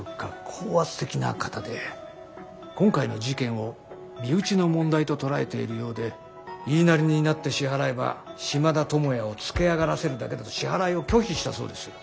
今回の事件を身内の問題と捉えているようで言いなりになって支払えば島田友也をつけあがらせるだけだと支払いを拒否したそうです。